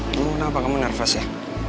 emang kenapa kamu nervous ya